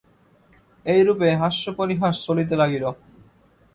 এইরূপে হাস্যপরিহাস চলিতে লাগিল।